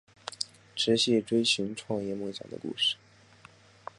持续追寻创业梦想的故事